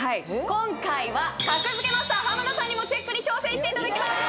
今回は格付けマスター浜田さんにもチェックに挑戦していただきまーす！